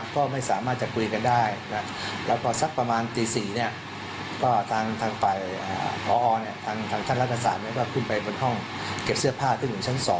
ก็ไม่สามารถจะคุยกันได้แล้วพอสักประมาณตี๔ก็ทางฝ่ายพอทางท่านรัฐศาสตร์ก็ขึ้นไปบนห้องเก็บเสื้อผ้าขึ้นอยู่ชั้น๒